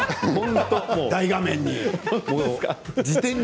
大画面に。